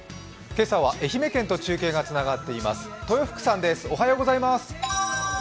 今朝は愛媛県と中継がつながっています、豊福さんです。